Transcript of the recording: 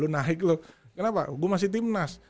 naik loh kenapa gue masih timnas